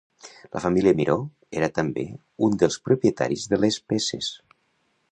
La família Miró era també un dels propietaris de Les Peces.